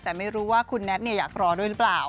แต่ไม่รู้ว่าคุณแน็ตอยากรอด้วยหรือเปล่า